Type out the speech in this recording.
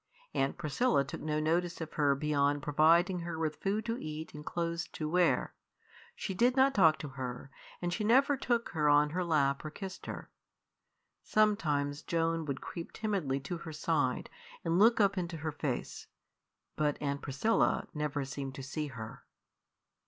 Aunt Priscilla took no notice of her beyond providing her with food to eat and clothes to wear. She did not talk to her, and she never took her on her lap or kissed her. Sometimes Joan would creep timidly to her side and look up into her face, but Aunt Priscilla never seemed to see her.